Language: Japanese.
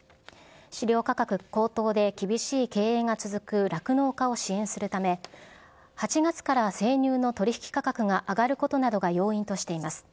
飼料価格高騰で厳しい経営が続く酪農家を支援するため、８月から生乳の取り引き価格が上がることなどが要因としています。